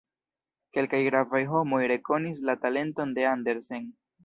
Kelkaj gravaj homoj rekonis la talenton de Andersen.